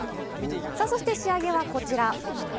さあそして仕上げはこちら。